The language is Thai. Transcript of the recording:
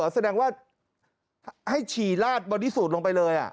แสดงว่าให้ฉี่ลาดบอดี้สูตรลงไปเลย